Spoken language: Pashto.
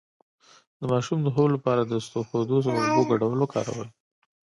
د ماشوم د خوب لپاره د اسطوخودوس او اوبو ګډول وکاروئ